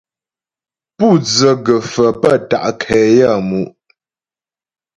Pú dzə gə̀faə̀ pə́ ta' nkɛ yaə́mu'.